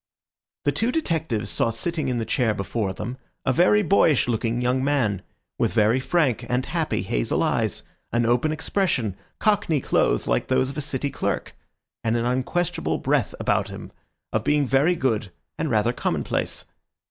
The two detectives saw sitting in the chair before them a very boyish looking young man, with very frank and happy hazel eyes, an open expression, cockney clothes like those of a city clerk, and an unquestionable breath about him of being very good and rather commonplace.